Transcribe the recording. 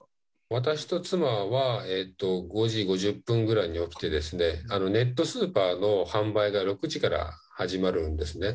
私と妻は、５時５０分ぐらいに起きて、ネットスーパーの販売が６時から始まるんですね。